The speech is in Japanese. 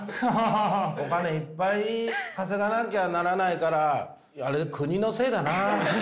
お金いっぱい稼がなきゃならないから国のせいだな。